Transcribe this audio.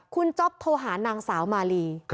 คุณจ๊อปโทรหานางสาวมาลี